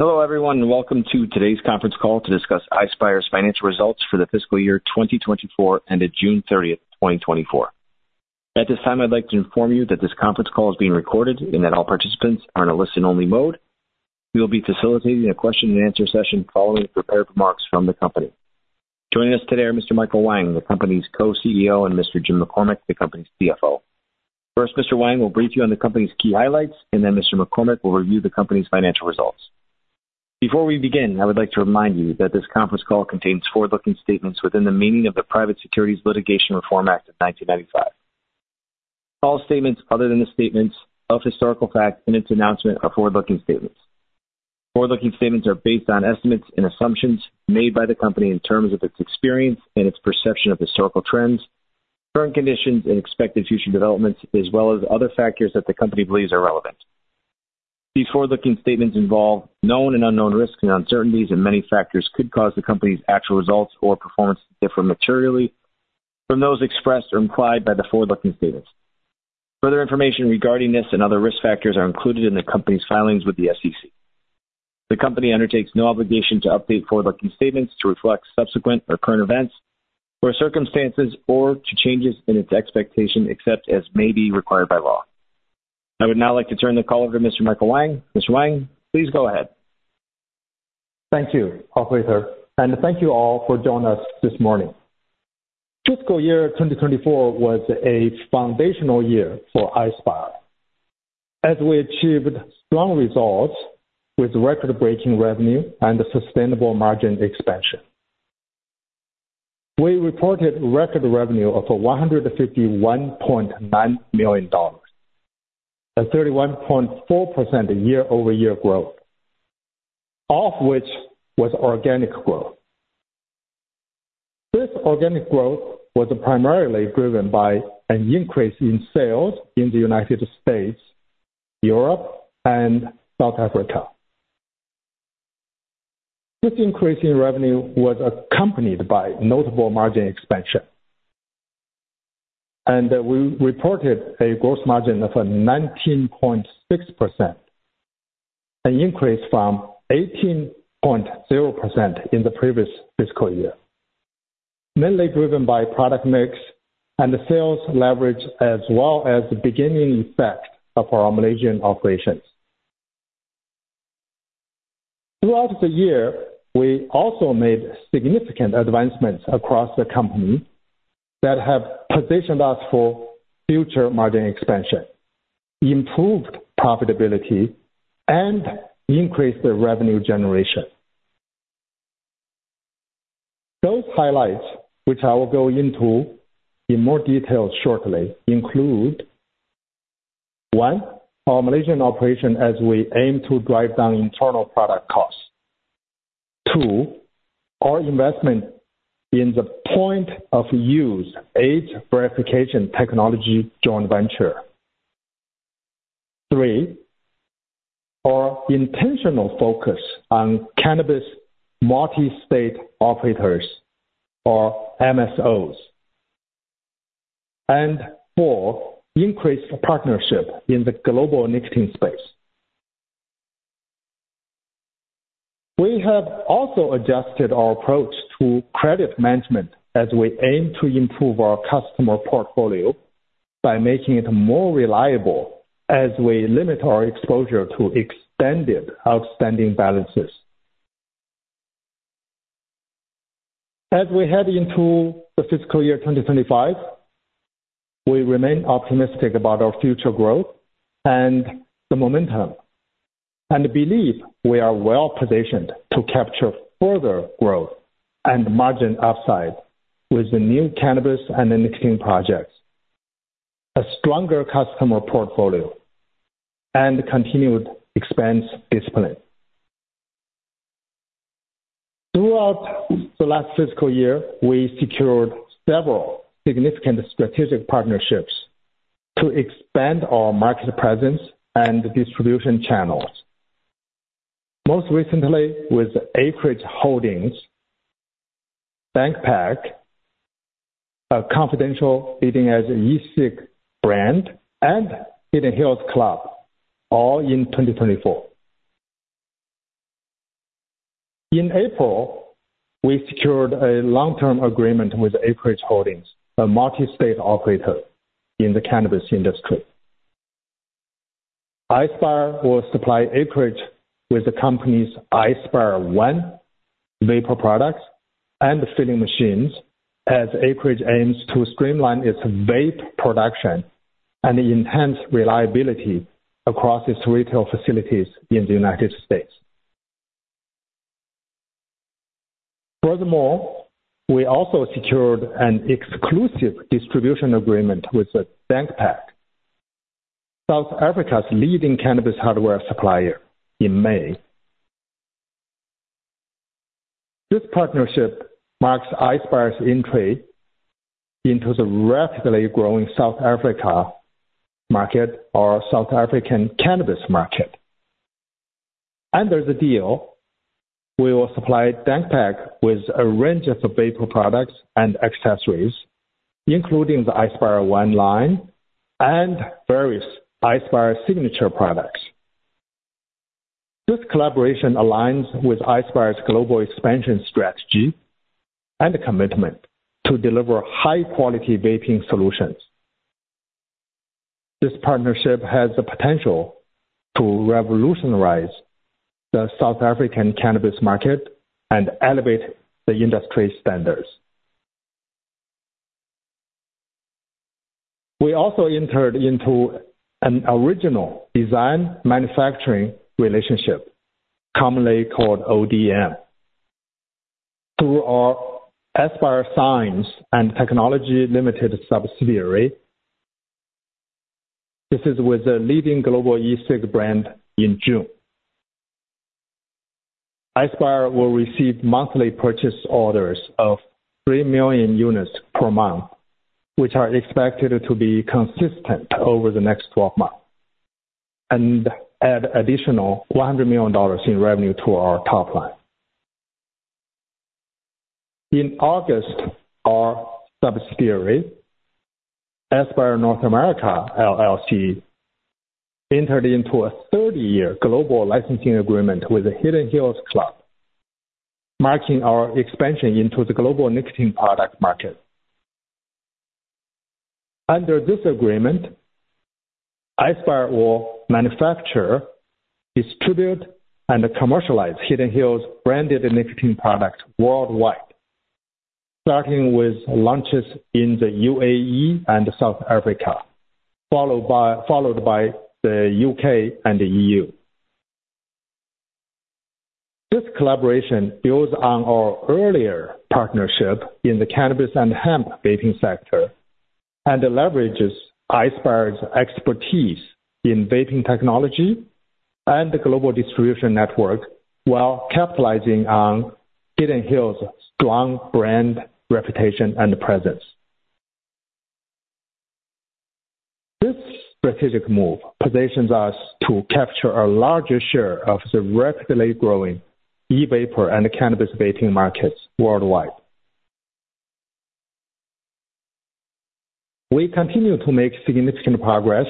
Hello, everyone, and welcome to today's conference call to discuss Ispire's financial results for the fiscal year 2024, ended June thirtieth, 2024. At this time, I'd like to inform you that this conference call is being recorded and that all participants are in a listen-only mode. We will be facilitating a question-and-answer session following the prepared remarks from the company. Joining us today are Mr. Michael Wang, the company's Co-CEO, and Mr. Jim McCormick, the company's CFO. First, Mr. Wang will brief you on the company's key highlights, and then Mr. McCormick will review the company's financial results. Before we begin, I would like to remind you that this conference call contains forward-looking statements within the meaning of the Private Securities Litigation Reform Act of 1995. All statements other than the statements of historical fact in its announcement are forward-looking statements. Forward-looking statements are based on estimates and assumptions made by the company in terms of its experience and its perception of historical trends, current conditions, and expected future developments, as well as other factors that the company believes are relevant. These forward-looking statements involve known and unknown risks and uncertainties, and many factors could cause the company's actual results or performance to differ materially from those expressed or implied by the forward-looking statements. Further information regarding this and other risk factors are included in the company's filings with the SEC. The company undertakes no obligation to update forward-looking statements to reflect subsequent or current events or circumstances, or to changes in its expectations, except as may be required by law. I would now like to turn the call over to Mr. Michael Wang. Mr. Wang, please go ahead. Thank you, operator, and thank you all for joining us this morning. Fiscal year 2024 was a foundational year for Ispire as we achieved strong results with record-breaking revenue and a sustainable margin expansion. We reported record revenue of $151.9 million, a 31.4% year-over-year growth, all of which was organic growth. This organic growth was primarily driven by an increase in sales in the United States, Europe, and South Africa. This increase in revenue was accompanied by notable margin expansion, and we reported a gross margin of 19.6%, an increase from 18.0% in the previous fiscal year, mainly driven by product mix and the sales leverage, as well as the beginning effect of our Malaysian operations. Throughout the year, we also made significant advancements across the company that have positioned us for future margin expansion, improved profitability, and increased the revenue generation. Those highlights, which I will go into in more detail shortly, include one, our Malaysian operation as we aim to drive down internal product costs. Two, our investment in the point-of-use age verification technology joint venture. Three, our intentional focus on cannabis multi-state operators or MSOs. And four, increased partnership in the global nicotine space. We have also adjusted our approach to credit management as we aim to improve our customer portfolio by making it more reliable as we limit our exposure to extended outstanding balances. As we head into the fiscal year 2025, we remain optimistic about our future growth and the momentum, and believe we are well positioned to capture further growth and margin upside with the new cannabis and nicotine projects, a stronger customer portfolio, and continued expense discipline. Throughout the last fiscal year, we secured several significant strategic partnerships to expand our market presence and distribution channels, most recently with Acreage Holdings, Dank Pack, a confidential leading Asian e-cig brand, and Hidden Hills Club, all in 2024. In April, we secured a long-term agreement with Acreage Holdings, a multi-state operator in the cannabis industry. Ispire will supply Acreage with the company's Ispire One vapor products and filling machines, as Acreage aims to streamline its vape production and enhance reliability across its retail facilities in the United States. Furthermore, we also secured an exclusive distribution agreement with Dank Pack, South Africa's leading cannabis hardware supplier, in May. This partnership marks Ispire's entry into the rapidly growing South Africa market or South African cannabis market. Under the deal. We will supply Dank Pack with a range of vapor products and accessories, including the Ispire One line and various Ispire Signature products. This collaboration aligns with Ispire's global expansion strategy and a commitment to deliver high-quality vaping solutions. This partnership has the potential to revolutionize the South African cannabis market and elevate the industry standards. We also entered into an original design manufacturing relationship, commonly called ODM, through our Ispire Science and Technology Limited subsidiary. This is with a leading global e-cig brand in June. Ispire will receive monthly purchase orders of 3 million units per month, which are expected to be consistent over the next 12 months, and add additional $100 million in revenue to our top line. In August, our subsidiary, Ispire North America, LLC, entered into a 30-year global licensing agreement with the Hidden Hills Club, marking our expansion into the global nicotine product market. Under this agreement, Ispire will manufacture, distribute, and commercialize Hidden Hills branded nicotine products worldwide, starting with launches in the UAE and South Africa, followed by the UK and the EU. This collaboration builds on our earlier partnership in the cannabis and hemp vaping sector, and it leverages Ispire's expertise in vaping technology and the global distribution network, while capitalizing on Hidden Hills' strong brand reputation and presence. This strategic move positions us to capture a larger share of the rapidly growing e-vapor and cannabis vaping markets worldwide. We continue to make significant progress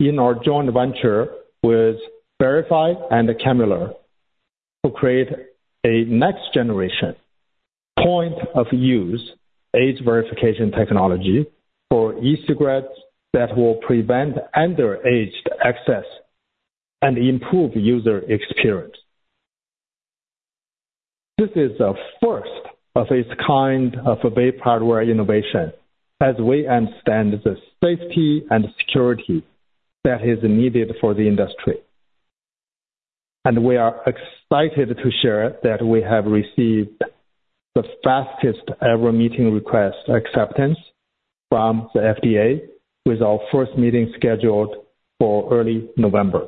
in our joint venture with Berify and Chemular, to create a next generation point-of-use age verification technology for e-cigarettes that will prevent underage access and improve user experience. This is the first of its kind of vape hardware innovation as we understand the safety and security that is needed for the industry. And we are excited to share that we have received the fastest-ever meeting request acceptance from the FDA, with our first meeting scheduled for early November.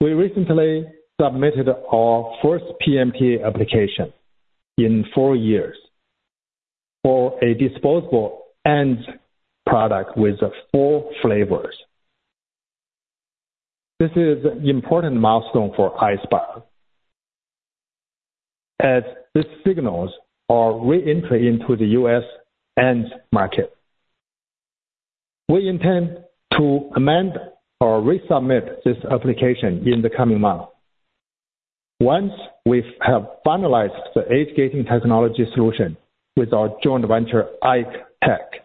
We recently submitted our first PMTA application in four years for a disposable ENDS product with four flavors. This is an important milestone for Ispire, as this signals our re-entry into the US ENDS market. We intend to amend or resubmit this application in the coming months. Once we have finalized the age-gating technology solution with our joint venture, uncertain,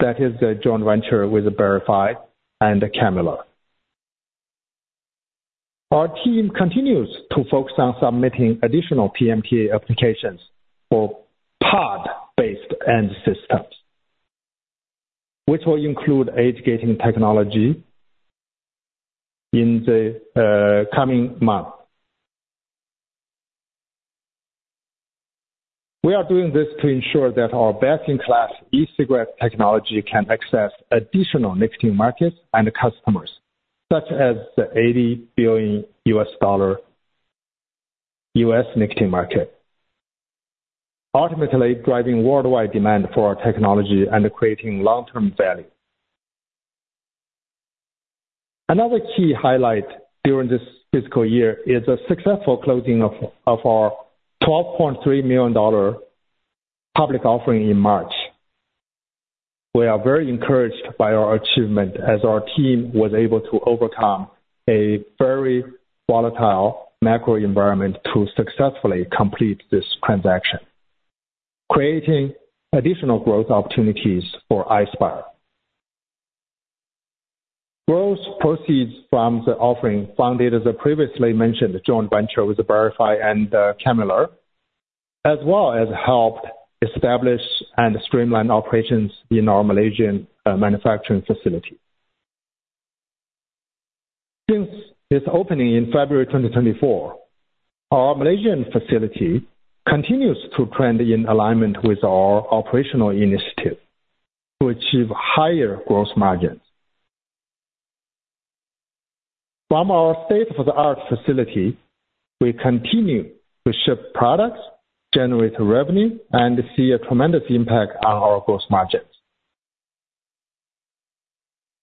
that is the joint venture with Berify and Chemular. Our team continues to focus on submitting additional PMTA applications for pod-based ENDS systems, which will include age-gating technology in the coming months. We are doing this to ensure that our best-in-class e-cigarette technology can access additional nicotine markets and customers, such as the $80 billion US nicotine market, ultimately driving worldwide demand for our technology and creating long-term value. Another key highlight during this fiscal year is the successful closing of our $12.3 million public offering in March. We are very encouraged by our achievement, as our team was able to overcome a very volatile macro environment to successfully complete this transaction, creating additional growth opportunities for Ispire. Gross proceeds from the offering funded, as I previously mentioned, the joint venture with Berify and Chemular, as well as helped establish and streamline operations in our Malaysian manufacturing facility. Since its opening in February 2024, our Malaysian facility continues to trend in alignment with our operational initiative to achieve higher gross margins. From our state-of-the-art facility, we continue to ship products, generate revenue, and see a tremendous impact on our gross margins.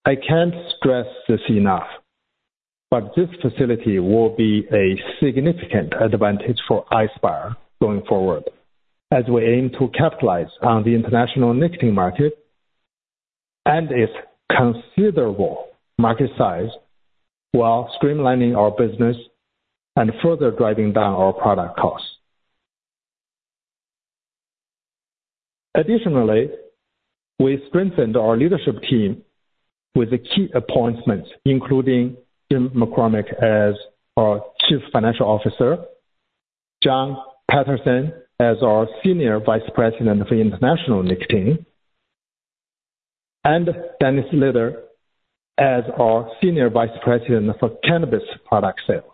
I can't stress this enough, but this facility will be a significant advantage for Ispire going forward, as we aim to capitalize on the international nicotine market and its considerable market size, while streamlining our business and further driving down our product costs. Additionally, we strengthened our leadership team with key appointments, including Jim McCormick as our Chief Financial Officer, John Patterson as our Senior Vice President of International Nicotine, and Dennis Lader as our Senior Vice President for Cannabis Product Sales.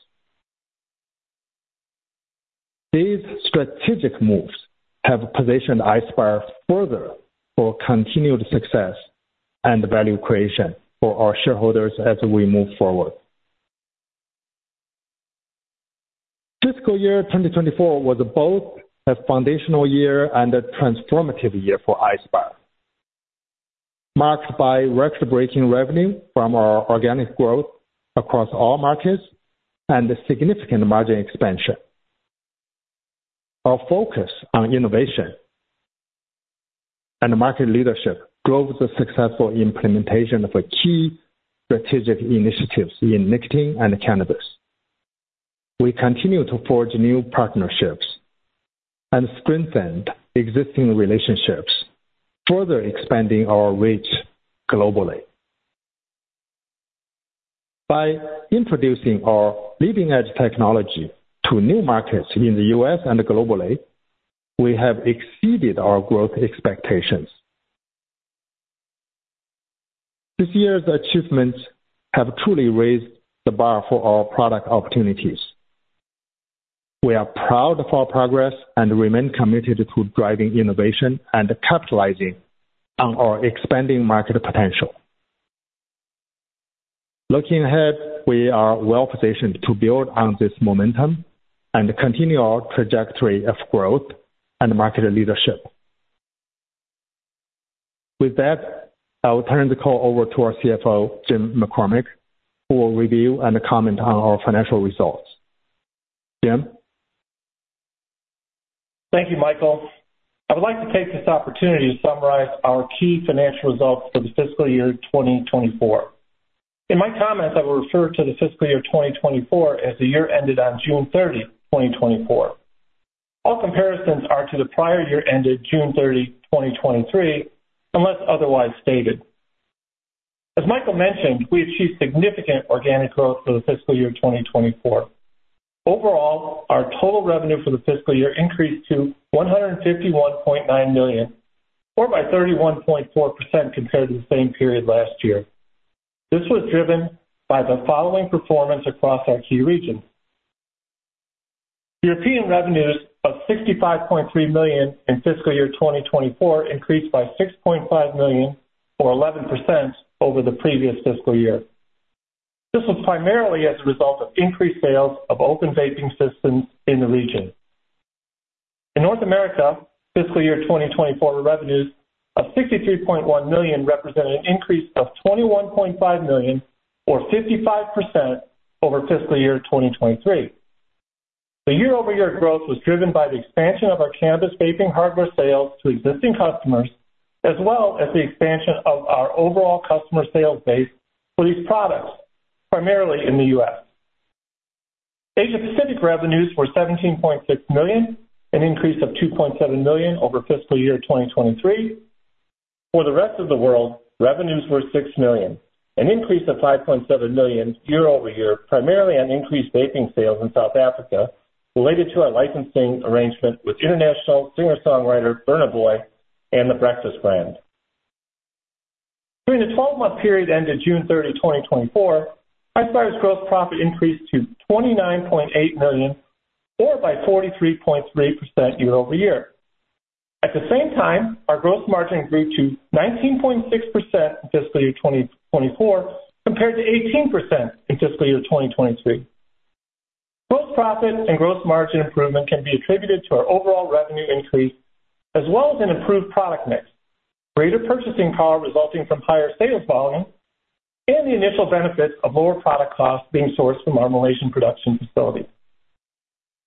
These strategic moves have positioned Ispire further for continued success and value creation for our shareholders as we move forward. Fiscal year 2024 was both a foundational year and a transformative year for Ispire, marked by record-breaking revenue from our organic growth across all markets and a significant margin expansion. Our focus on innovation and market leadership drove the successful implementation of key strategic initiatives in nicotine and cannabis. We continue to forge new partnerships and strengthen existing relationships, further expanding our reach globally. By introducing our leading-edge technology to new markets in the US and globally, we have exceeded our growth expectations. This year's achievements have truly raised the bar for our product opportunities. We are proud of our progress and remain committed to driving innovation and capitalizing on our expanding market potential. Looking ahead, we are well-positioned to build on this momentum and continue our trajectory of growth and market leadership. With that, I will turn the call over to our CFO, Jim McCormick, who will review and comment on our financial results. Jim? Thank you, Michael. I would like to take this opportunity to summarize our key financial results for the fiscal year 2024. In my comments, I will refer to the fiscal year 2024 as the year ended on June 30, 2024. All comparisons are to the prior year ended June 30, 2023, unless otherwise stated. As Michael mentioned, we achieved significant organic growth for the fiscal year 2024. Overall, our total revenue for the fiscal year increased to $151.9 million, or by 31.4% compared to the same period last year. This was driven by the following performance across our key regions. European revenues of $65.3 million in fiscal year 2024 increased by $6.5 million, or 11%, over the previous fiscal year. This was primarily as a result of increased sales of open vaping systems in the region. In North America, fiscal year 2024 revenues of $63.1 million represented an increase of $21.5 million, or 55%, over fiscal year 2023. The year-over-year growth was driven by the expansion of our cannabis vaping hardware sales to existing customers, as well as the expansion of our overall customer sales base for these products, primarily in the US Asia Pacific revenues were $17.6 million, an increase of $2.7 million over fiscal year 2023. For the rest of the world, revenues were $6 million, an increase of $5.7 million year over year, primarily on increased vaping sales in South Africa related to our licensing arrangement with international singer-songwriter, Burna Boy, and the BrkFst Brand. During the 12-month period ended June 13, 2024, Ispire's gross profit increased to $29.8 million, or by 43.3% year over year. At the same time, our gross margin grew to 19.6% in fiscal year 2024, compared to 18% in fiscal year 2023. Gross profit and gross margin improvement can be attributed to our overall revenue increase, as well as an improved product mix, greater purchasing power resulting from higher sales volume, and the initial benefits of lower product costs being sourced from our Malaysian production facility.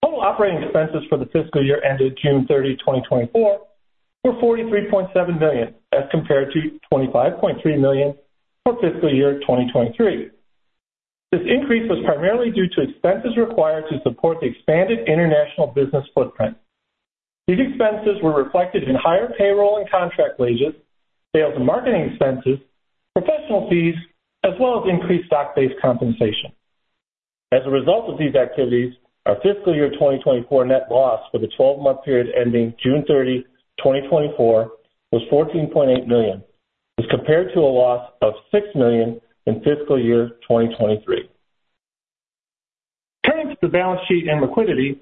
Total operating expenses for the fiscal year ended June thirtieth, 2024, were $43.7 million, as compared to $25.3 million for fiscal year 2023. This increase was primarily due to expenses required to support the expanded international business footprint. These expenses were reflected in higher payroll and contract wages, sales and marketing expenses, professional fees, as well as increased stock-based compensation. As a result of these activities, our fiscal year 2024 net loss for the twelve-month period ending June 30, 2024, was $14.8 million, as compared to a loss of $6 million in fiscal year 2023. Turning to the balance sheet and liquidity,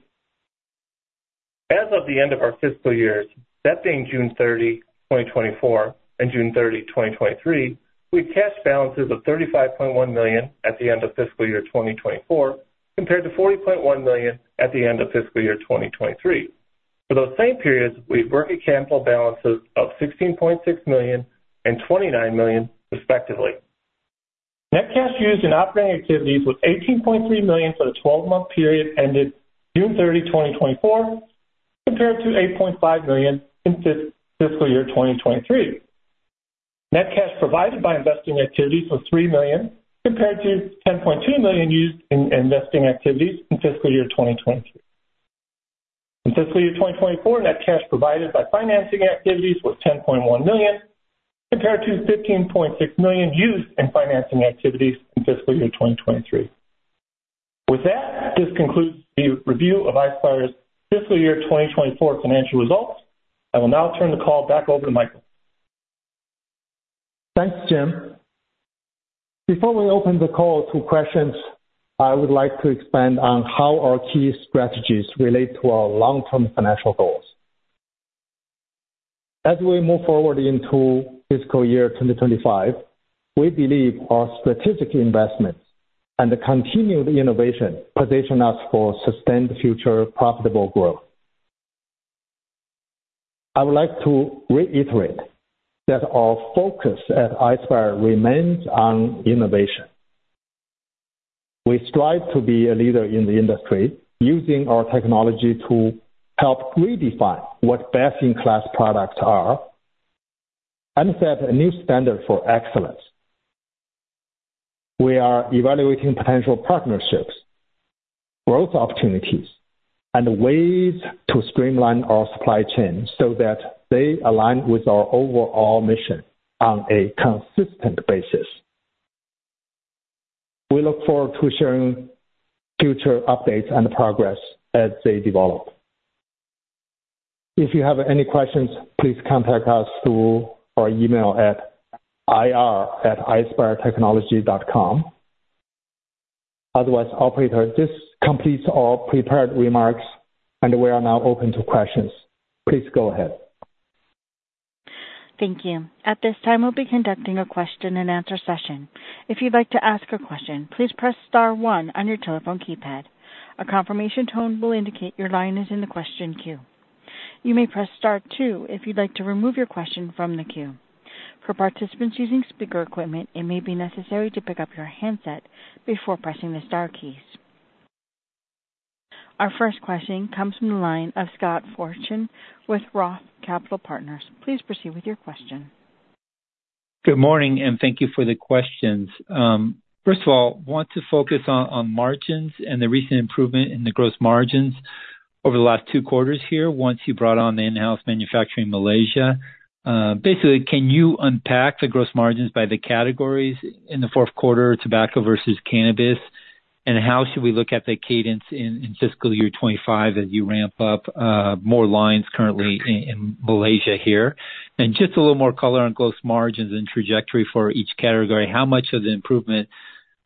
as of the end of our fiscal years, that being June 30, 2024, and June 30, 2023, we had cash balances of $35.1 million at the end of fiscal year 2024, compared to $40.1 million at the end of fiscal year 2023. For those same periods, we had working capital balances of $16.6 million and $29 million respectively. Net cash used in operating activities was $18.3 million for the twelve-month period ended June 30, 2024, compared to $8.5 million in fiscal year 2023. Net cash provided by investing activities was $3 million, compared to $10.2 million used in investing activities in fiscal year 2022. In fiscal year 2024, net cash provided by financing activities was $10.1 million, compared to $15.6 million used in financing activities in fiscal year 2023. With that, this concludes the review of Ispire's fiscal year 2024 financial results. I will now turn the call back over to Michael. Thanks, Jim. Before we open the call to questions, I would like to expand on how our key strategies relate to our long-term financial goals. As we move forward into fiscal year 2025, we believe our strategic investments and the continued innovation position us for sustained future profitable growth. I would like to reiterate that our focus at Ispire remains on innovation. We strive to be a leader in the industry, using our technology to help redefine what best-in-class products are and set a new standard for excellence. We are evaluating potential partnerships, growth opportunities, and ways to streamline our supply chain so that they align with our overall mission on a consistent basis. We look forward to sharing future updates and progress as they develop. If you have any questions, please contact us through our email at ir@ispiretechnology.com. Otherwise, operator, this completes our prepared remarks, and we are now open to questions. Please go ahead. Thank you. At this time, we'll be conducting a question and answer session. If you'd like to ask a question, please press star one on your telephone keypad. A confirmation tone will indicate your line is in the question queue. You may press star two if you'd like to remove your question from the queue. For participants using speaker equipment, it may be necessary to pick up your handset before pressing the star keys. Our first question comes from the line of Scott Fortune with Roth Capital Partners. Please proceed with your question. Good morning, and thank you for the questions. First of all, want to focus on margins and the recent improvement in the gross margins over the last two quarters here, once you brought on the in-house manufacturing in Malaysia. Basically, can you unpack the gross margins by the categories in the fourth quarter, tobacco versus cannabis? And how should we look at the cadence in fiscal year 2025 as you ramp up more lines currently in Malaysia here? And just a little more color on gross margins and trajectory for each category. How much of the improvement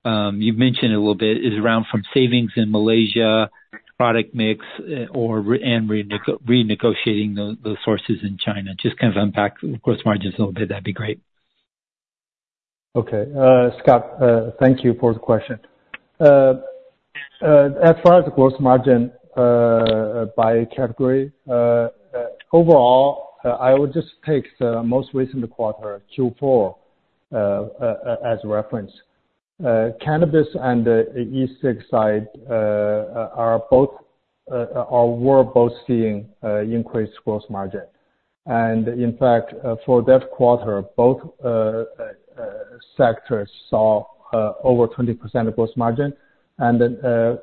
you've mentioned a little bit is around from savings in Malaysia, product mix, or renegotiating those sources in China? Just kind of unpack the gross margins a little bit, that'd be great. Okay. Scott, thank you for the question. As far as the gross margin, by category, overall, I would just take the most recent quarter, Q4, as reference. Cannabis and the e-cig side are both, or were both seeing, increased gross margin. And in fact, for that quarter, both sectors saw over 20% gross margin, and then,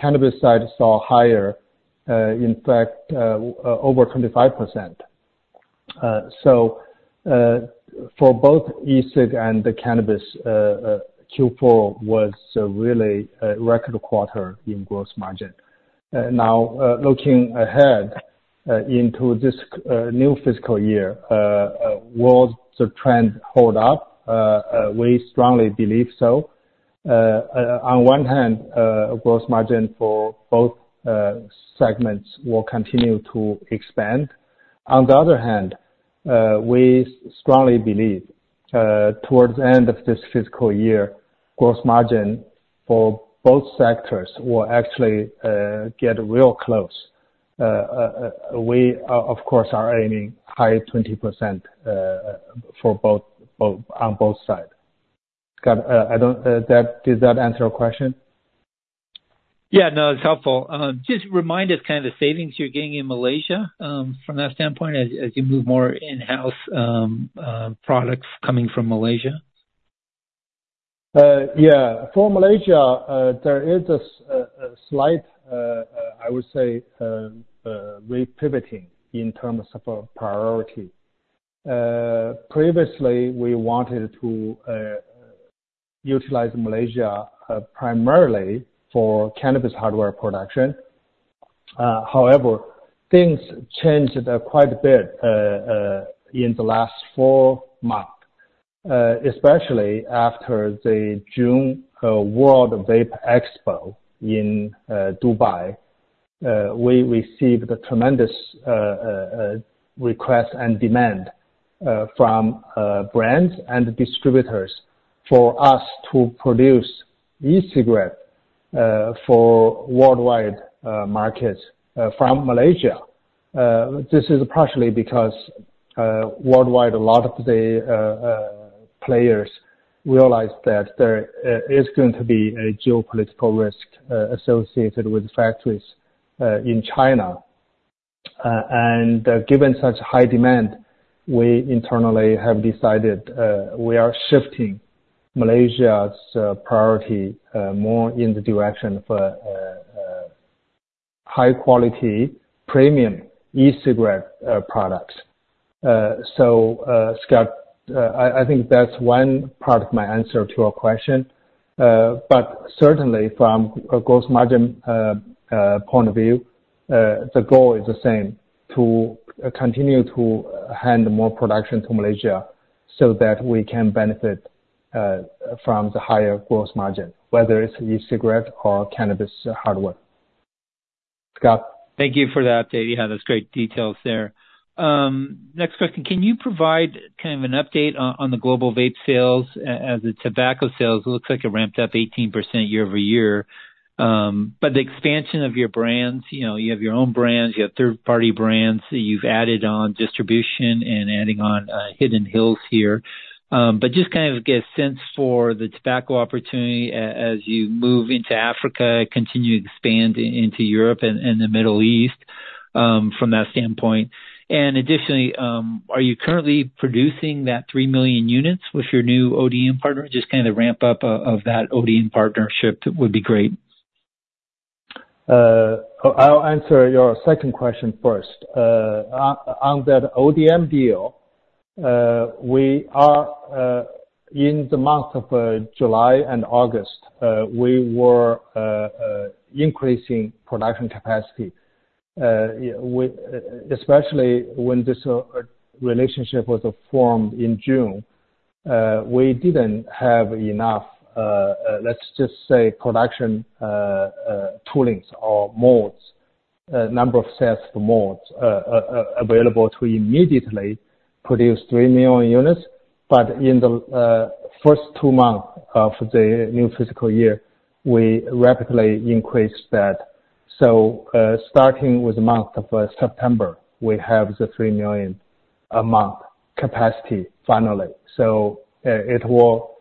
cannabis side saw higher, in fact, over 25%. So, for both e-cig and the cannabis, Q4 was really a record quarter in gross margin. Now, looking ahead, into this new fiscal year, will the trend hold up? We strongly believe so. On one hand, gross margin for both segments will continue to expand. On the other hand, we strongly believe towards the end of this fiscal year, gross margin for both sectors will actually get real close. We, of course, are aiming high 20% for both on both sides. Scott, does that answer your question? Yeah, no, it's helpful. Just remind us, kind of, the savings you're getting in Malaysia, from that standpoint, as you move more in-house, products coming from Malaysia. Yeah. For Malaysia, there is a slight, I would say, repivoting in terms of priority. Previously, we wanted to utilize Malaysia primarily for cannabis hardware production. However, things changed quite a bit in the last four months, especially after the June World Vape Expo in Dubai. We received a tremendous request and demand from brands and distributors for us to produce e-cigarette for worldwide markets from Malaysia. This is partially because worldwide, a lot of the players realize that there is going to be a geopolitical risk associated with factories in China. And given such high demand, we internally have decided we are shifting Malaysia's priority more in the direction for high quality premium e-cigarette products. So, Scott, I think that's one part of my answer to your question. But certainly from a gross margin point of view, the goal is the same: to continue to hand more production to Malaysia so that we can benefit from the higher gross margin, whether it's e-cigarette or cannabis hardware. Scott? Thank you for the update. Yeah, that's great details there. Next question: Can you provide kind of an update on the global vape sales and the tobacco sales? It looks like it ramped up 18% year over year, but the expansion of your brands, you know, you have your own brands, you have third-party brands that you've added on distribution and adding on Hidden Hills here. But just kind of get a sense for the tobacco opportunity as you move into Africa, continue to expand into Europe and the Middle East, from that standpoint. And additionally, are you currently producing that three million units with your new ODM partner? Just kind of the ramp up of that ODM partnership would be great. I'll answer your second question first. On that ODM deal, we are in the month of July and August we were increasing production capacity, especially when this relationship was formed in June, we didn't have enough, let's just say, production toolings or molds, number of sets of molds, available to immediately produce three million units. But in the first two months of the new fiscal year, we rapidly increased that. Starting with the month of September, we have the three million a month capacity finally. It will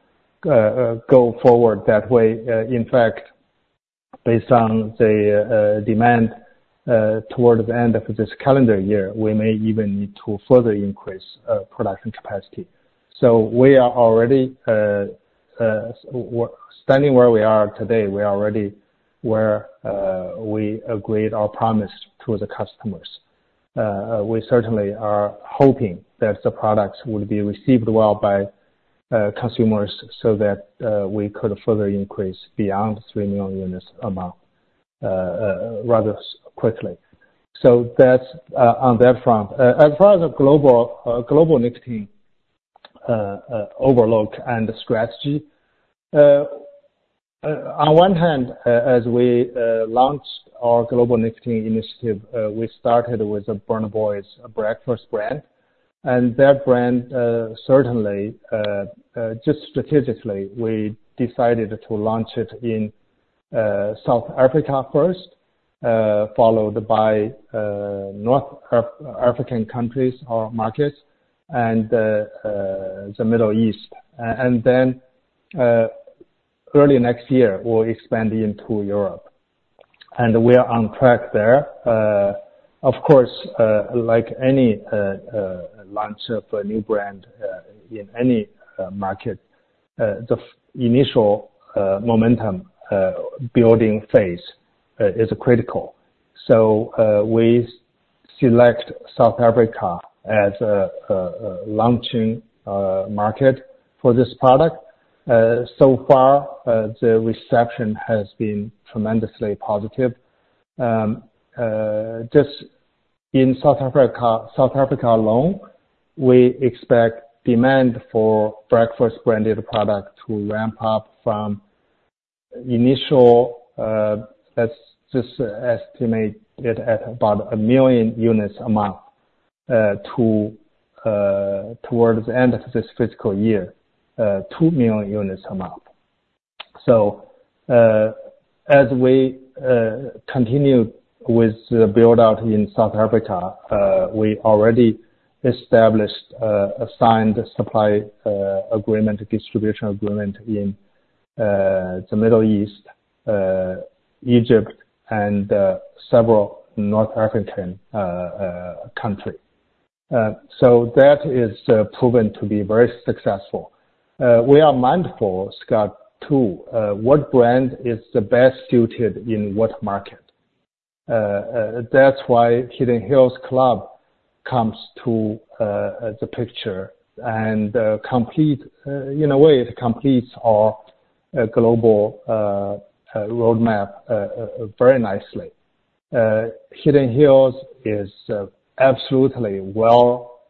go forward that way. In fact, based on the demand towards the end of this calendar year, we may even need to further increase production capacity. So we are already standing where we are today. We are already where we agreed our promise to the customers. We certainly are hoping that the products will be received well by consumers so that we could further increase beyond three million units amount rather quickly. So that's on that front. As far as the global nicotine overview and strategy, on one hand, as we launched our global nicotine initiative, we started with the Burna Boy's BrkFst brand, and that brand certainly just strategically we decided to launch it in South Africa first, followed by North African countries or markets and the Middle East. And then early next year, we'll expand into Europe, and we are on track there. Of course, like any launch of a new brand in any market, the initial momentum building phase is critical. So, we select South Africa as a launching market for this product. So far, the reception has been tremendously positive. Just in South Africa alone, we expect demand for BrkFst branded product to ramp up from initial, let's just estimate it at about a million units a month to, towards the end of this fiscal year, two million units a month. So, as we continue with the build-out in South Africa, we already established assigned the supply agreement, distribution agreement in the Middle East, Egypt and several North African country. That is proven to be very successful. We are mindful, Scott, too, what brand is the best suited in what market. That's why Hidden Hills Club comes into the picture and, in a way, it completes our global roadmap very nicely. Hidden Hills is absolutely well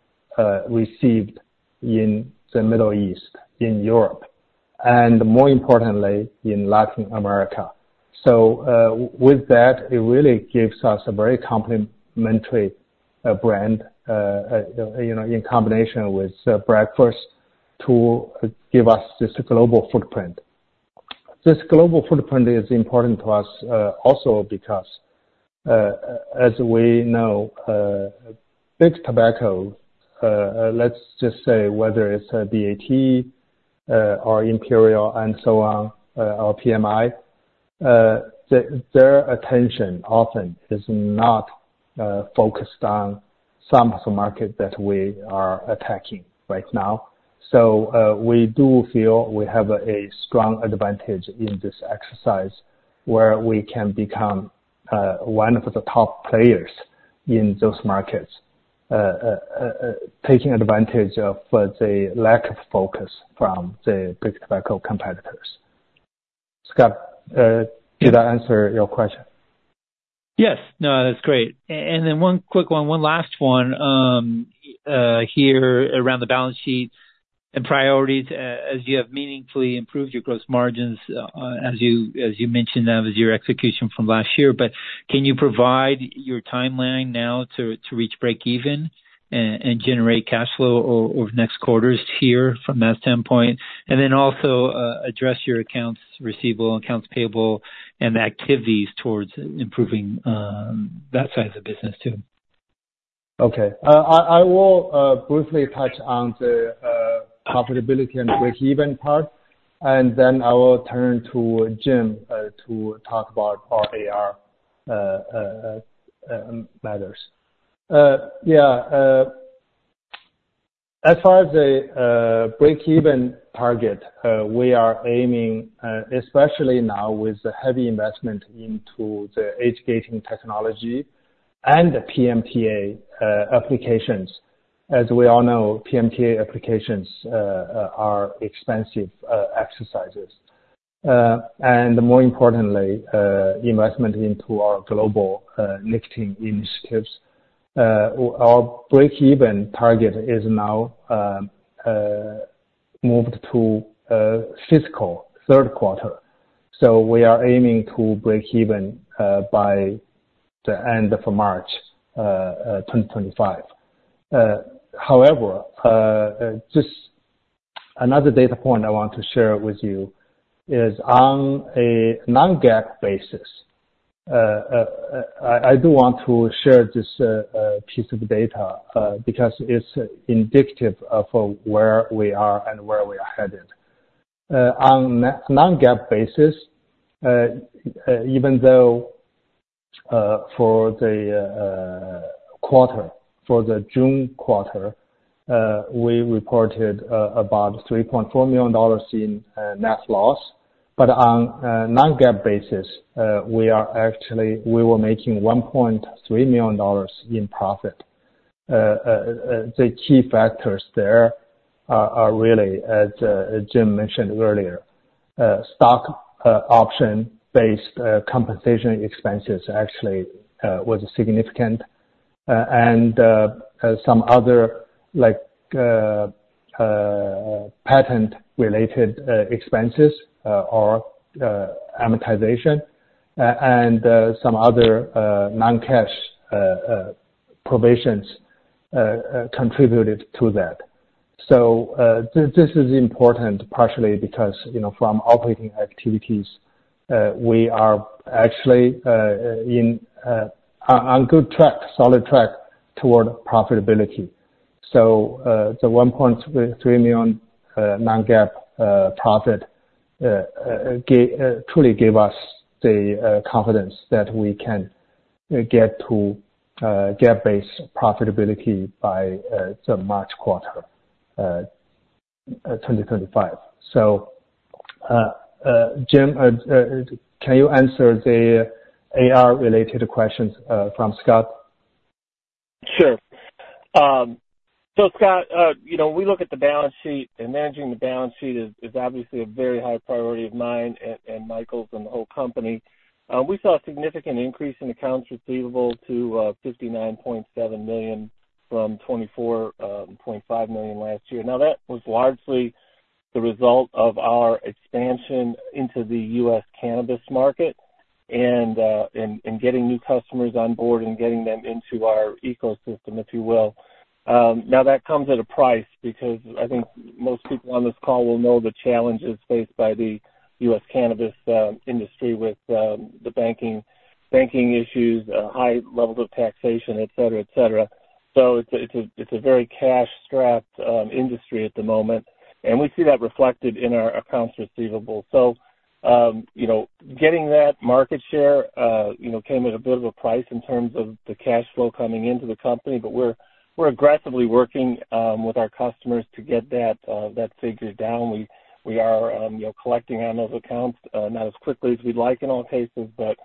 received in the Middle East, in Europe, and more importantly, in Latin America. With that, it really gives us a very complementary brand, you know, in combination with BrkFst to give us this global footprint. This global footprint is important to us, also because, as we know, big tobacco, let's just say whether it's BAT, or Imperial and so on, or PMI, their attention often is not focused on some of the market that we are attacking right now. So, we do feel we have a strong advantage in this exercise, where we can become one of the top players in those markets, taking advantage of the lack of focus from the big tobacco competitors. Scott, did I answer your question? Yes. No, that's great. And then one quick one, one last one. Here around the balance sheet and priorities, as you have meaningfully improved your gross margins, as you mentioned, that was your execution from last year, but can you provide your timeline now to reach breakeven and generate cash flow over next quarters here from that standpoint? And then also, address your accounts receivable, accounts payable, and activities towards improving that side of the business, too. Okay. I will briefly touch on the profitability and breakeven part, and then I will turn to Jim to talk about our AR matters. Yeah, as far as the breakeven target, we are aiming, especially now with the heavy investment into the age-gating technology and the PMTA applications. As we all know, PMTA applications are expensive exercises. And more importantly, investment into our global nicotine initiatives. Our breakeven target is now moved to fiscal third quarter. So we are aiming to breakeven by the end of March 2025. However, just another data point I want to share with you is on a non-GAAP basis. I do want to share this piece of data because it's indicative of where we are and where we are headed. On non-GAAP basis, even though for the quarter, for the June quarter, we reported about $3.4 million in net loss, but on a non-GAAP basis, we are actually, we were making $1.3 million in profit. The key factors there are really as Jim mentioned earlier, stock option-based compensation expenses actually was significant, and some other like patent-related expenses or amortization and some other non-cash provisions contributed to that. So, this is important partially because, you know, from operating activities, we are actually on good track, solid track toward profitability. So, the $1.3 million non-GAAP profit truly gave us the confidence that we can get to GAAP-based profitability by the March quarter, 2025. So, Jim, can you answer the AR related questions from Scott? Sure, so Scott, you know, we look at the balance sheet, and managing the balance sheet is obviously a very high priority of mine and Michael's and the whole company. We saw a significant increase in accounts receivable to $59.7 million from $24.5 million last year. Now, that was largely the result of our expansion into the US cannabis market and getting new customers on board and getting them into our ecosystem, if you will. Now, that comes at a price, because I think most people on this call will know the challenges faced by the US cannabis industry with the banking issues, high levels of taxation, et cetera, et cetera. So it's a very cash-strapped industry at the moment, and we see that reflected in our accounts receivable. So, you know, getting that market share, you know, came at a bit of a price in terms of the cash flow coming into the company, but we're aggressively working with our customers to get that figure down. We are, you know, collecting on those accounts, not as quickly as we'd like in all cases, but,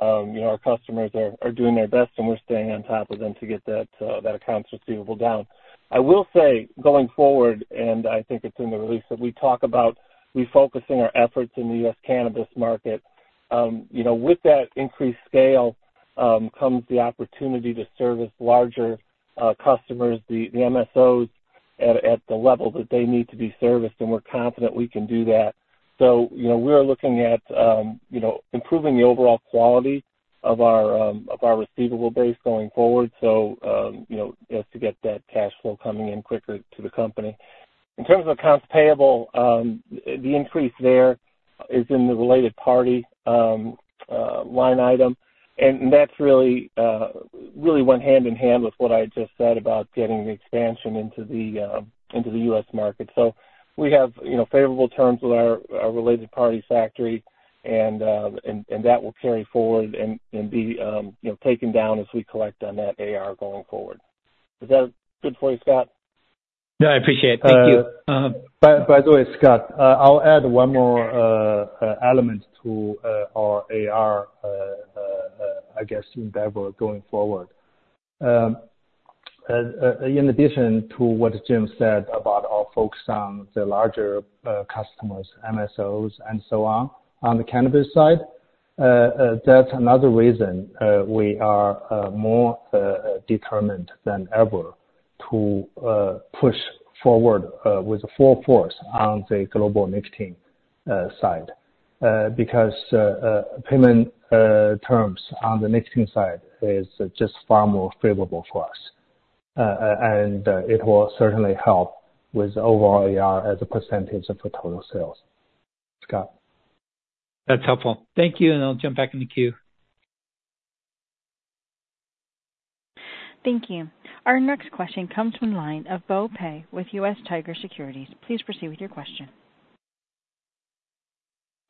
you know, our customers are doing their best, and we're staying on top of them to get that accounts receivable down. I will say, going forward, and I think it's in the release, that we talk about refocusing our efforts in the US cannabis market. You know, with that increased scale, comes the opportunity to service larger customers, the MSOs, at the level that they need to be serviced, and we're confident we can do that. So, you know, we are looking at, you know, improving the overall quality of our receivable base going forward. So, you know, just to get that cash flow coming in quicker to the company. In terms of accounts payable, the increase there is in the related party line item, and that's really went hand in hand with what I just said about getting the expansion into the US market. So we have, you know, favorable terms with our related party factory, and that will carry forward and be, you know, taken down as we collect on that AR going forward. Is that good for you, Scott? Yeah, I appreciate it. Thank you. By the way, Scott, I'll add one more element to our AR, I guess, endeavor going forward. In addition to what Jim said about our focus on the larger customers, MSOs, and so on, on the cannabis side, that's another reason we are more determined than ever to push forward with full force on the global nicotine side. Because payment terms on the nicotine side is just far more favorable for us. And it will certainly help with overall AR as a percentage of the total sales. Scott? That's helpful. Thank you, and I'll jump back in the queue. Thank you. Our next question comes from the line of Bo Pei with US Tiger Securities. Please proceed with your question.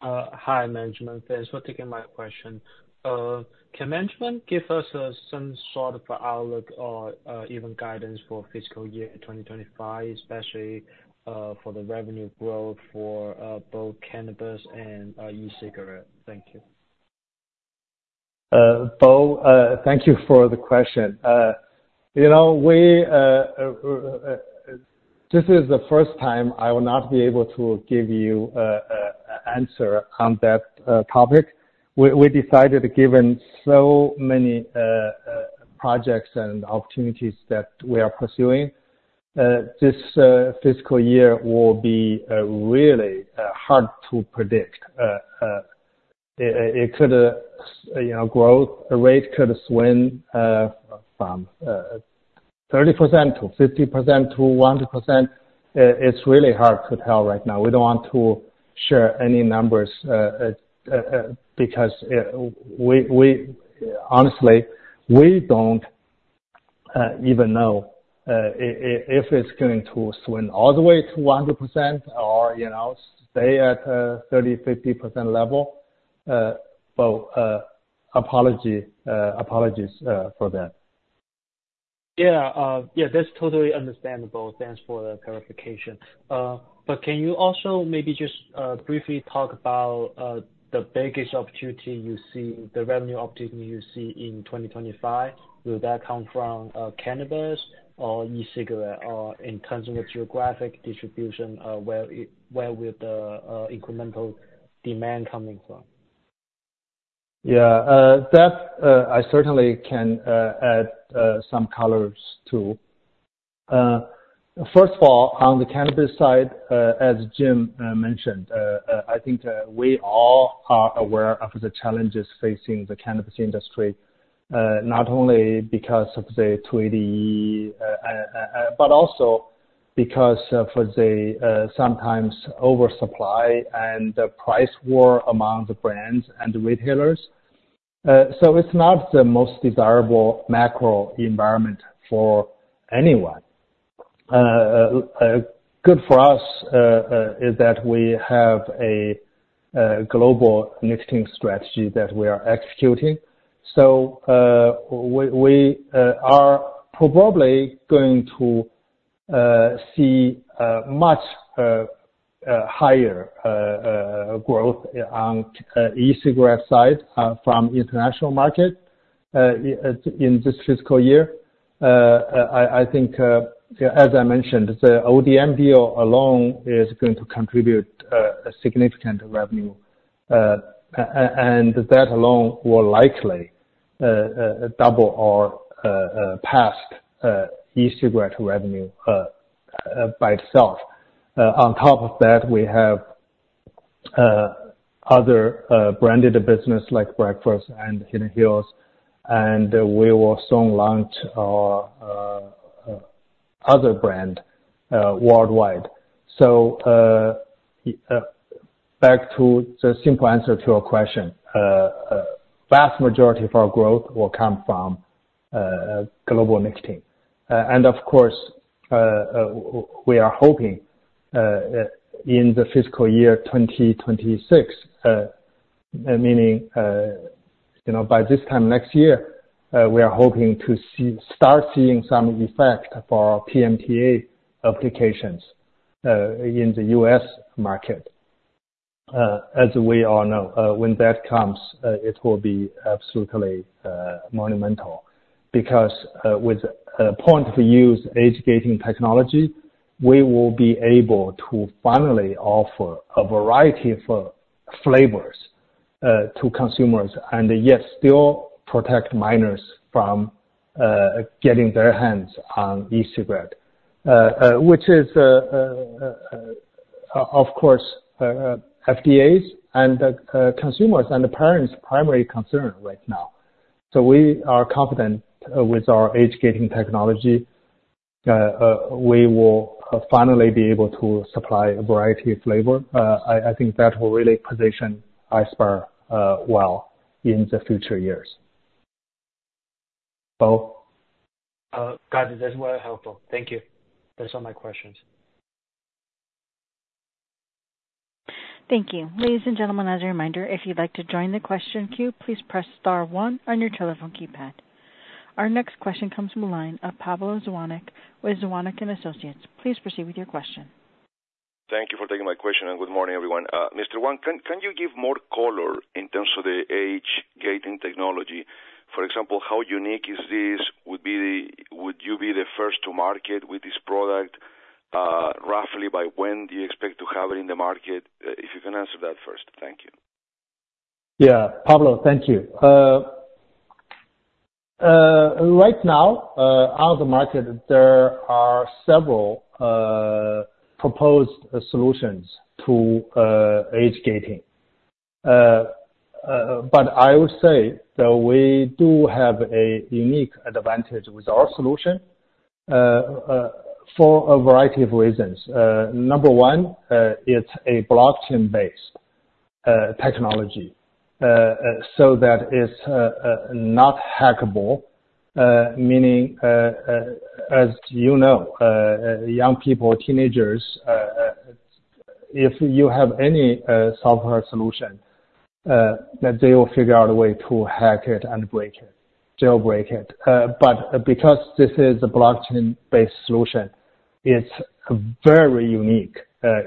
Hi, management. Thanks for taking my question. Can management give us some sort of outlook or even guidance for fiscal year 2025, especially for the revenue growth for both cannabis and e-cigarette? Thank you. Bo, thank you for the question. You know, this is the first time I will not be able to give you an answer on that topic. We decided, given so many projects and opportunities that we are pursuing, this fiscal year will be really hard to predict. It could, you know, growth rate could swing from 30% to 50% to 100%. It's really hard to tell right now. We don't want to share any numbers because, honestly, we don't even know if it's going to swing all the way to 100% or, you know, stay at a 30%-50% level. Bo, apologies for that. Yeah, yeah, that's totally understandable. Thanks for the clarification. But can you also maybe just briefly talk about the biggest opportunity you see, the revenue opportunity you see in 2025? Will that come from cannabis or e-cigarette, or in terms of the geographic distribution, where would the incremental demand coming from? Yeah. That, I certainly can add some color to. First of all, on the cannabis side, as Jim mentioned, I think we all are aware of the challenges facing the cannabis industry, not only because of the 280E, but also because for the sometimes oversupply and the price war among the brands and retailers. So it's not the most desirable macro environment for anyone. Good for us is that we have a global nicotine strategy that we are executing. So we are probably going to see much higher growth on e-cigarette side from international market in this fiscal year. I think, as I mentioned, the ODM deal alone is going to contribute a significant revenue, and that alone will likely double or past e-cigarette revenue by itself. On top of that, we have other branded business like BrkFst and Hidden Hills, and we will soon launch our other brand worldwide. So, back to the simple answer to your question. Vast majority of our growth will come from global nicotine. And of course, we are hoping in the fiscal year 2026, meaning, you know, by this time next year, we are hoping to start seeing some effect for our PMTA applications in the US market. As we all know, when that comes, it will be absolutely monumental, because with point-of-use age-gating technology, we will be able to finally offer a variety of flavors to consumers and yet still protect minors from getting their hands on e-cigarette, which is... Of course, FDA's and the consumers and the parents' primary concern right now, so we are confident with our age-gating technology, we will finally be able to supply a variety of flavor. I think that will really position Ispire well in the future years. Bo? Got it. That's very helpful. Thank you. That's all my questions. Thank you. Ladies and gentlemen, as a reminder, if you'd like to join the question queue, please press star one on your telephone keypad. Our next question comes from the line of Pablo Zuanich, with Zuanich and Associates. Please proceed with your question. Thank you for taking my question, and good morning, everyone. Mr. Wang, can you give more color in terms of the age-gating technology? For example, how unique is this? Would you be the first to market with this product? Roughly by when do you expect to have it in the market? If you can answer that first. Thank you. Yeah, Pablo, thank you. Right now, out of the market, there are several proposed solutions to age-gating. But I would say that we do have a unique advantage with our solution for a variety of reasons. Number one, it's a blockchain-based technology, so that is not hackable. Meaning, as you know, young people, teenagers, if you have any software solution, that they will figure out a way to hack it and break it, jailbreak it. But because this is a blockchain-based solution, it's very unique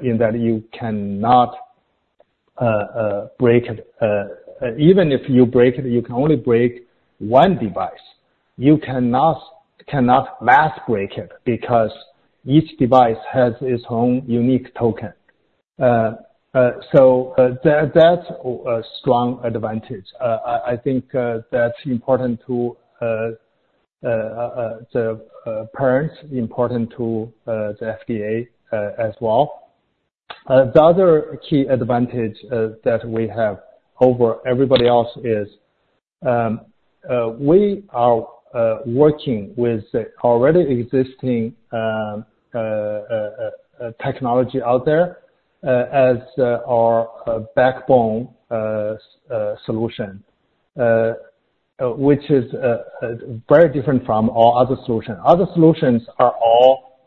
in that you cannot break it. Even if you break it, you can only break one device. You cannot mass break it, because each device has its own unique token. So, that that's a strong advantage. I think that's important to the parents, important to the FDA, as well. The other key advantage that we have over everybody else is we are working with the already existing technology out there as our backbone solution, which is very different from all other solutions. Other solutions are all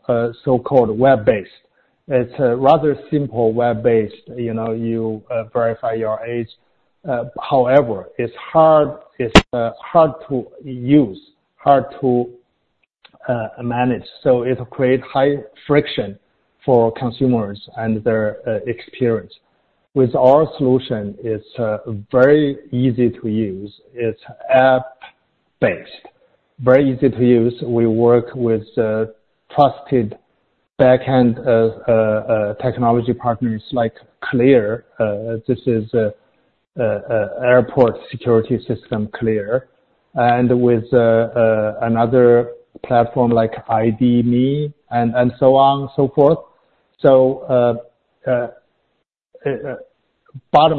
so-called web-based. It's a rather simple web-based, you know, you verify your age. However, it's hard, it's hard to use, hard to manage, so it'll create high friction for consumers and their experience. With our solution, it's very easy to use. It's app-based, very easy to use. We work with trusted back-end technology partners like CLEAR. This is airport security system CLEAR, and with another platform like ID.me and so on, so forth. Bottom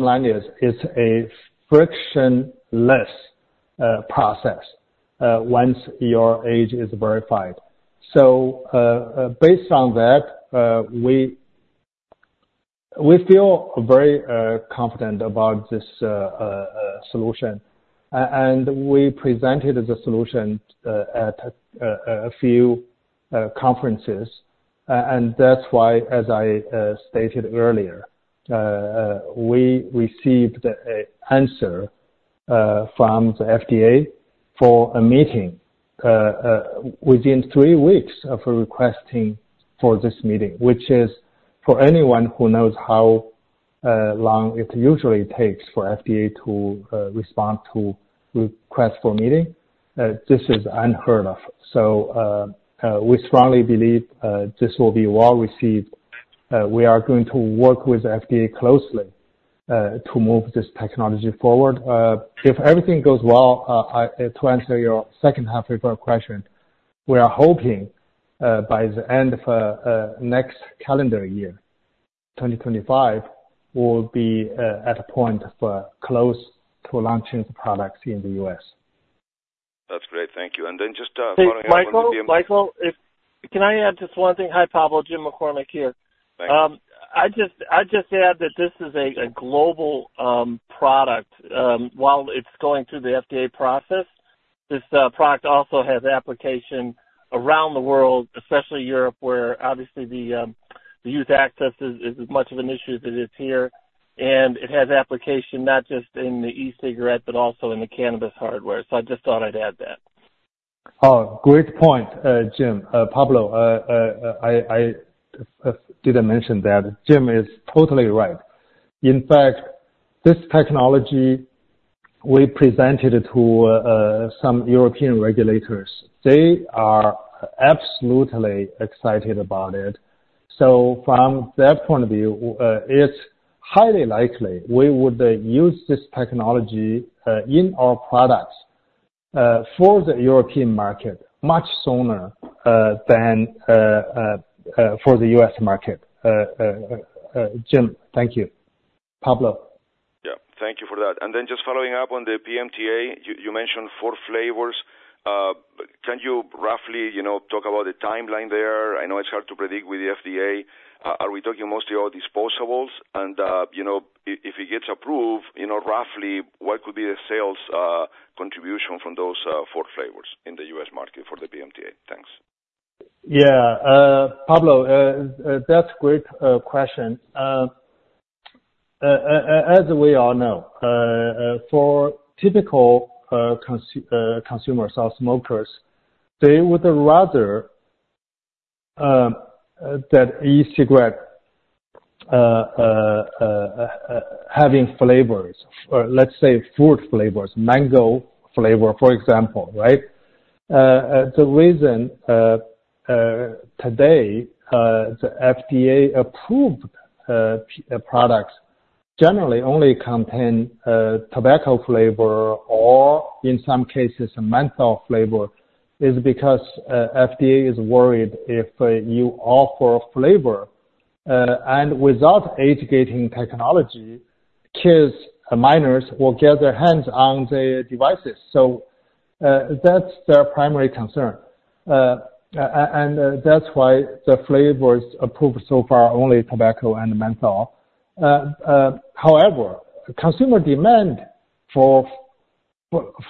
line is, it's a frictionless process once your age is verified. Based on that, we feel very confident about this solution, and we presented the solution at a few conferences. And that's why, as I stated earlier, we received an answer from the FDA for a meeting within three weeks of requesting for this meeting, which is, for anyone who knows how long it usually takes for FDA to respond to request for a meeting, this is unheard of. So, we strongly believe this will be well received. We are going to work with FDA closely, to move this technology forward. If everything goes well, to answer your second half of your question, we are hoping, by the end of next calendar year, 2025, we'll be at a point close to launching the products in the US. That's great, thank you. And then just, Michael? Michael, can I add just one thing? Hi, Pablo. Jim McCormick here. Thanks. I just add that this is a global product. While it's going through the FDA process, this product also has application around the world, especially Europe, where obviously the youth access is as much of an issue as it is here. And it has application not just in the e-cigarette, but also in the cannabis hardware. So I just thought I'd add that. Oh, great point, Jim. Pablo, I didn't mention that. Jim is totally right. In fact, this technology, we presented it to some European regulators. They are absolutely excited about it. So from their point of view, it's highly likely we would use this technology in our products for the European market, much sooner than for the US market. Jim, thank you. Pablo? Yeah, thank you for that. And then just following up on the PMTA, you mentioned four flavors. Can you roughly, you know, talk about the timeline there? I know it's hard to predict with the FDA. Are we talking mostly about disposables? And, you know, if it gets approved, you know, roughly, what could be the sales contribution from those four flavors in the US market for the PMTA? Thanks. Yeah. Pablo, that's a great question. As we all know, for typical consumers or smokers, they would rather that e-cigarette having flavors or let's say fruit flavors, mango flavor, for example, right? The reason today the FDA-approved products generally only contain tobacco flavor or in some cases menthol flavor, is because FDA is worried if you offer flavor and without age-gating technology, kids and minors will get their hands on the devices. So, that's their primary concern. And that's why the flavors approved so far are only tobacco and menthol. However, consumer demand for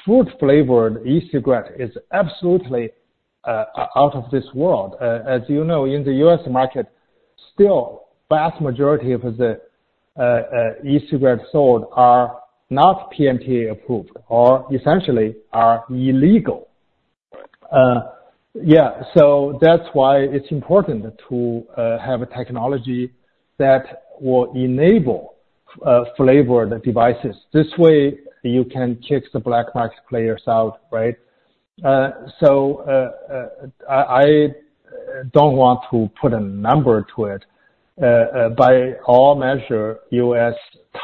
fruit-flavored e-cigarette is absolutely out of this world. As you know, in the US market, still vast majority of the e-cigarette sold are not PMTA approved or essentially are illegal. Yeah, so that's why it's important to have a technology that will enable flavored devices. This way, you can kick the black market players out, right? So, I don't want to put a number to it. By all measure, US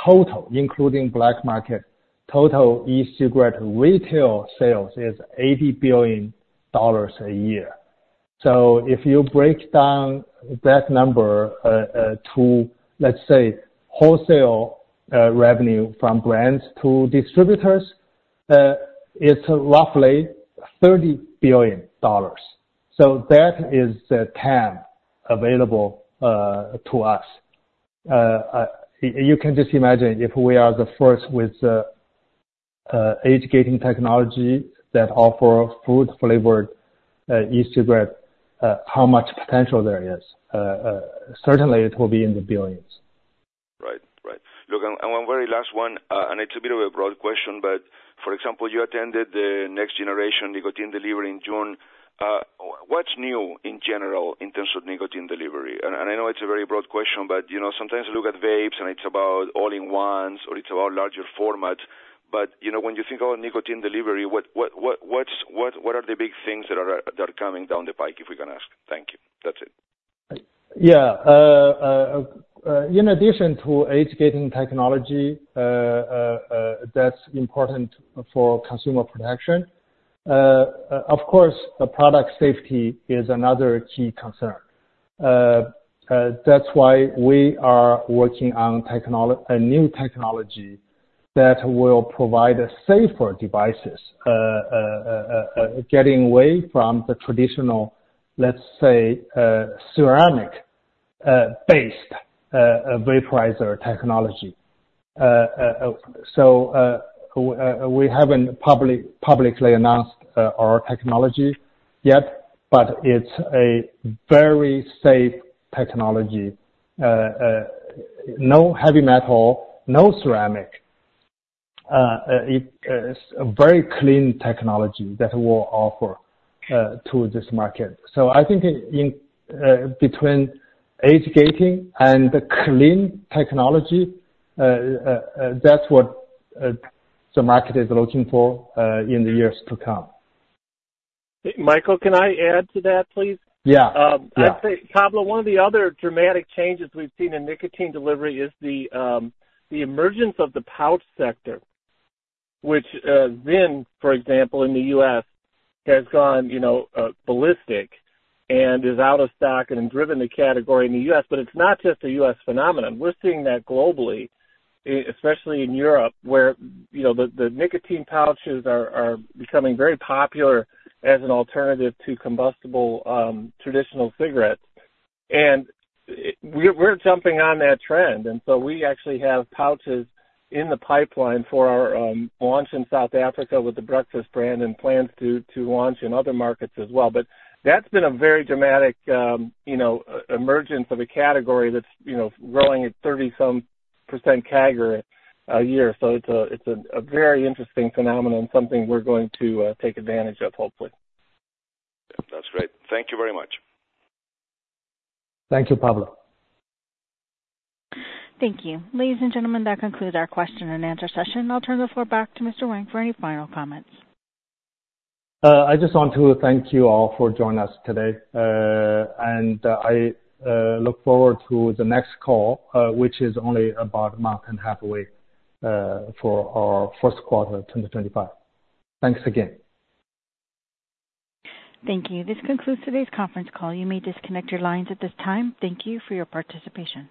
total, including black market, total e-cigarette retail sales is $80 billion a year. So if you break down that number to, let's say, wholesale revenue from brands to distributors, it's roughly $30 billion. So that is the TAM available to us. You can just imagine if we are the first with the age-gating technology that offer fruit-flavored e-cigarette, how much potential there is. Certainly it will be in the billions. Right. Right. Look, and one very last one, and it's a bit of a broad question, but for example, you attended the Next Generation Nicotine Delivery in June. What's new in general in terms of nicotine delivery? And I know it's a very broad question, but you know, sometimes you look at vapes, and it's about all-in-ones, or it's about larger formats. But you know, when you think about nicotine delivery, what are the big things that are coming down the pike, if we can ask? Thank you. That's it. Yeah. In addition to age-gating technology, that's important for consumer protection, of course, the product safety is another key concern. That's why we are working on a new technology that will provide safer devices, getting away from the traditional, let's say, ceramic based vaporizer technology. So, we haven't publicly announced our technology yet, but it's a very safe technology. No heavy metal, no ceramic, it's a very clean technology that we'll offer to this market. So I think in between age-gating and the clean technology, that's what the market is looking for in the years to come. Michael, can I add to that, please? Yeah. Yeah. I'd say, Pablo, one of the other dramatic changes we've seen in nicotine delivery is the emergence of the pouch sector, which, then, for example, in the US, has gone, you know, ballistic and is out of stock and driven the category in the US But it's not just a US phenomenon. We're seeing that globally, especially in Europe, where, you know, the nicotine pouches are becoming very popular as an alternative to combustible, traditional cigarettes. And we're jumping on that trend, and so we actually have pouches in the pipeline for our launch in South Africa with the BrkFst brand and plans to launch in other markets as well. But that's been a very dramatic, you know, emergence of a category that's, you know, growing at 30-some% CAGR a year. So it's a very interesting phenomenon, something we're going to take advantage of, hopefully. That's great. Thank you very much. Thank you, Pablo. Thank you. Ladies and gentlemen, that concludes our question and answer session, and I'll turn the floor back to Mr. Wang for any final comments. I just want to thank you all for joining us today. I look forward to the next call, which is only about a month and a half away, for our first quarter of 2025. Thanks again. Thank you. This concludes today's conference call. You may disconnect your lines at this time. Thank you for your participation.